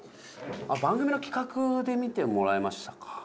番組の企画って見てもらいましたか？